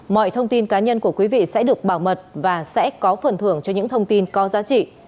mọi thông tin cá nhân của quý vị sẽ được bảo mật và sẽ có phần thưởng cho những thông tin có giá trị